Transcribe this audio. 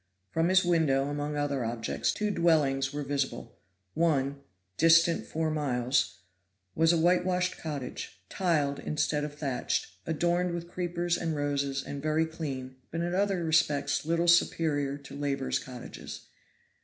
From his window, among other objects, two dwellings were visible; one, distant four miles, was a whitewashed cottage, tiled instead of thatched, adorned with creepers and roses and very clean, but in other respects little superior to laborers' cottages.